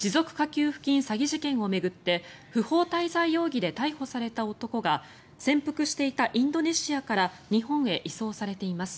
給付金詐欺事件を巡って不法滞在容疑で逮捕された男が潜伏していたインドネシアから日本へ移送されています。